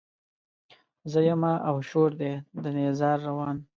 زه يمه او شور دی د نيزار روان